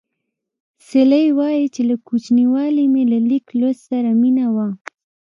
سیلۍ وايي چې له کوچنیوالي مې له لیک لوست سره مینه وه